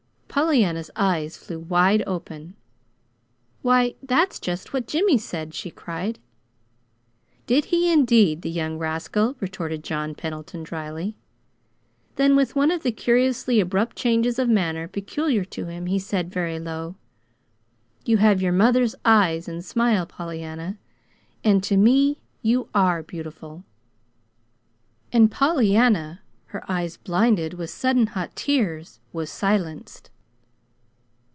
Pollyanna's eyes flew wide open. "Why, that's just what Jimmy said," she cried. "Did he, indeed the young rascal!" retorted John Pendleton, dryly. Then, with one of the curiously abrupt changes of manner peculiar to him, he said, very low: "You have your mother's eyes and smile, Pollyanna; and to me you are beautiful." And Pollyanna, her eyes blinded with sudden hot tears, was silenced.